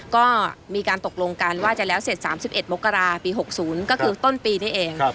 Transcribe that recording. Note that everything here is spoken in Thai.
ก็มีการตกลงกันว่าจะแล้วเสร็จ๓๑มกราปี๖๐ก็คือต้นปีนี้เอง